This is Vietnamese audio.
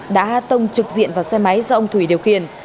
đã tông trực diện vào xe máy do ông thủy điều khiển